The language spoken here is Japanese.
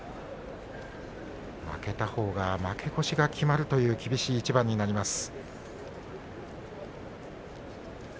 負けたほうが負け越しが決まるという厳しい一番です。